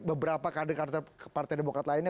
beberapa kader kader partai demokrat lainnya